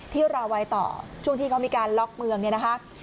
ที่ราวัยต่อช่วงที่เขามีการล็อกเมืองเนี่ยนะคะ